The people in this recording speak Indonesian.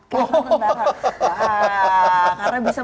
karena mau tentara